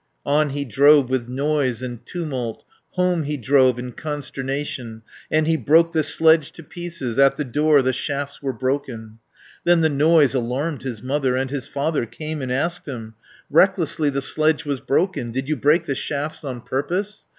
On he drove with noise and tumult, Home he drove in consternation, 490 And he broke the sledge to pieces, At the door the shafts were broken. Then the noise alarmed his mother, And his father came and asked him, "Recklessly the sledge was broken; Did you break the shafts on purpose?